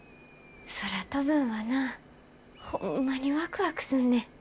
空飛ぶんはなホンマにワクワクすんねん。